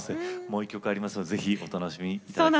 もう１曲ありますのでぜひお楽しみに。